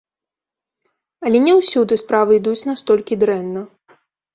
Але не ўсюды справы ідуць настолькі дрэнна.